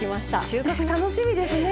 いや収穫楽しみですね。